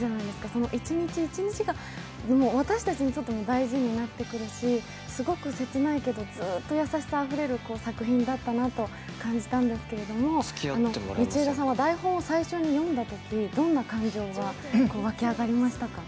その一日一日が、私たちにとっても大事になってくるしすごく切ないけど、ずっと優しさあふれる作品だったなという感じだったんですけど道枝さんは台本を最初に読んだとき、どんな感情が沸き上がりましたか？